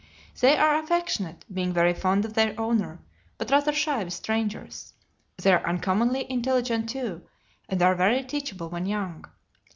They are affectionate, being very fond of their owner, but rather shy with strangers. They are uncommonly intelligent, too, and are very teachable when young.